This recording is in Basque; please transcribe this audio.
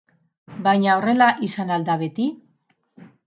Baina horrela izan al da beti?